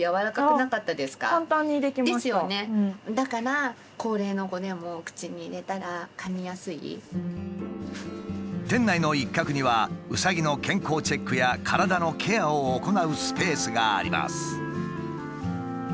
だから店内の一角にはうさぎの健康チェックや体のケアを行うスペースがあります。